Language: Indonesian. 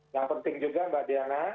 yang penting juga mbak diana